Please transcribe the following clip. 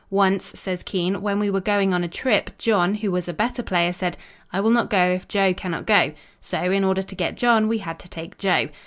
"Once," says Keene, "when we were going on a trip, John, who was a better player, said, 'I will not go if Joe cannot go,' so in order to get John, we had to take Joe."